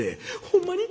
「ほんまに？